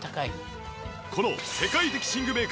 この世界的寝具